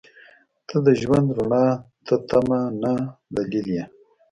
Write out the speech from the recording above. • ته د ژوند رڼا ته تمه نه، دلیل یې.